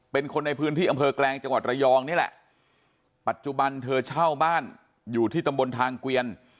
เป็นคนในพื้นที่อำเภอแกลงจังหวัดระยองนี่แหละปัจจุบันเธอเช่าบ้านอยู่ที่ตำบลทางเกวียน